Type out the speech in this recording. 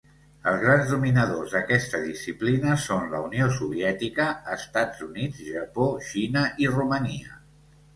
Els grans dominadors d'aquesta disciplina són la Unió Soviètica, Estats Units, Japó, Xina i Romania.